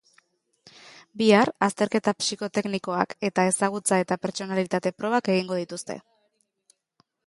Bihar, azterketa psikoteknikoak eta ezagutza eta pertsonalitate probak egingo dituzte.